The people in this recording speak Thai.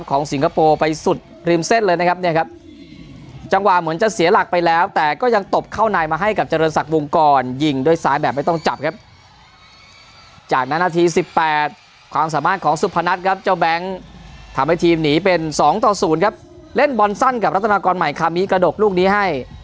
สิงคโปร์ไปสุดริมเส้นเลยนะครับเนี่ยครับจังหวะเหมือนจะเสียหลักไปแล้วแต่ก็ยังตบเข้าในมาให้กับเจริญศักดิ์วงกรยิงด้วยซ้ายแบบไม่ต้องจับครับจากนั้นนาทีสิบแปดความสามารถของสุพนัทครับเจ้าแบงค์ทำให้ทีมหนีเป็นสองต่อศูนย์ครับเล่นบอลสั้นกับรัฐนากรใหม่คามิกระดกลูกนี้ให้